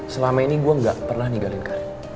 selama ini gue gak pernah nilain karin